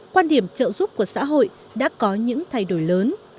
quan điểm trợ giúp của xã hội đã có những thay đổi lớn